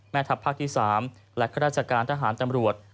แม่ทัพภาคที่๓และข้าราชการทหารตำรวจ